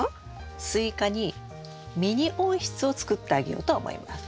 スイカにミニ温室を作ってあげようと思います。